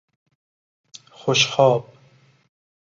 خوشخواب